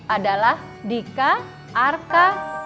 seratus adalah dika arka